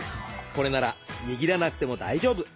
これなら握らなくても大丈夫。